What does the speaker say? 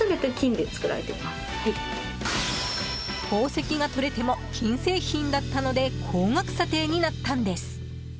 宝石が取れても金製品だったので高額査定になったんです。